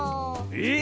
え